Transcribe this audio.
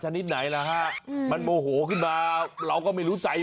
วิทยาลัยศาสตร์อัศวิทยาลัยศาสตร์